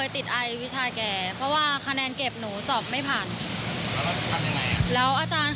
ที่เราแก้เก่งกับอาจารย์